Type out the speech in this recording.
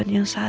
terima kasih bu